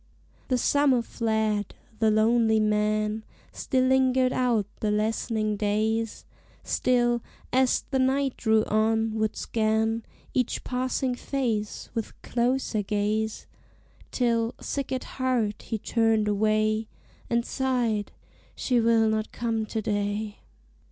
The summer fled: the lonely man Still lingered out the lessening days; Still, as the night drew on, would scan Each passing face with closer gaze Till, sick at heart, he turned away, And sighed "she will not come to day."